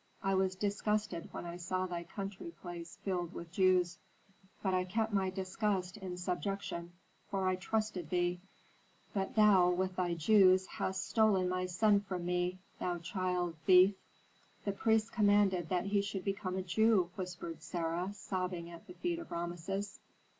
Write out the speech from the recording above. I was disgusted when I saw thy country place filled with Jews; but I kept my disgust in subjection, for I trusted thee. But thou, with thy Jews, hast stolen my son from me, thou child thief!" "The priests commanded that he should become a Jew," whispered Sarah, sobbing at the feet of Rameses.